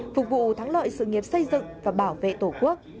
phục vụ thắng lợi sự nghiệp xây dựng và bảo vệ tổ quốc